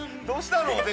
どうしたの？